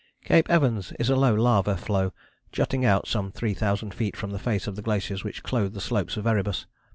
Cape Evans is a low lava flow jutting out some three thousand feet from the face of the glaciers which clothe the slopes of Erebus.